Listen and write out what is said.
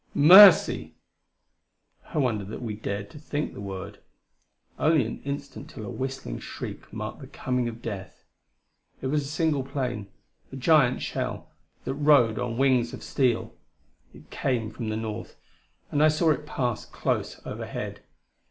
"Mercy!" I wonder that we dared to think the word. Only an instant till a whistling shriek marked the coming of death. It was a single plane a giant shell that rode on wings of steel. It came from the north, and I saw it pass close overhead.